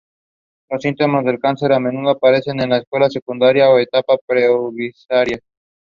His personal papers are held by the historical archives of the Church of Verona.